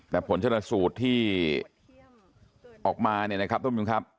แต่ผลชนสูตรที่ออกมาเนี่ยนะครับต้มมิวครับ